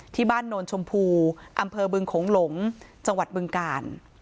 โนนชมพูอำเภอบึงโขงหลงจังหวัดบึงกาล